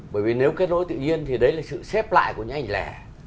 bởi vì nếu kết nối tự nhiên thì đấy là sự xếp lại của những anh lẻ